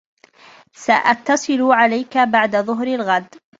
سأتصل عليك بعد ظهر الغد.